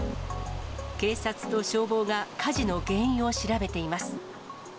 警察と消防が火事の原因を調べています。